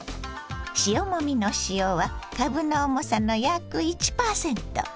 塩もみの塩はかぶの重さの約１％。